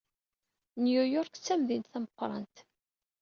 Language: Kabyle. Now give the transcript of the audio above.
New York d tamdint d tameqrant.